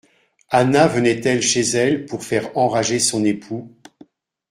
Anna venait-elle chez elle pour faire enrager son époux